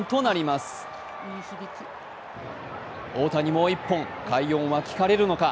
もう１本快音は聞かれるのか。